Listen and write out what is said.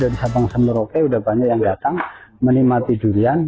dari sabang semeroke udah banyak yang datang menikmati durian